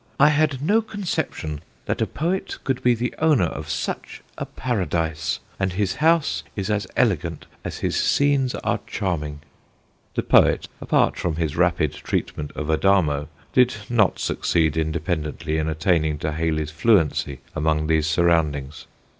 "I had no conception that a poet could be the owner of such a paradise, and his house is as elegant as his scenes are charming." The poet, apart from his rapid treatment of Adamo, did not succeed independently in attaining to Hayley's fluency among these surroundings.